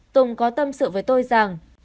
tùng có tâm sự với tôi rằng